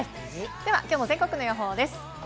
ではきょうの全国の予報です。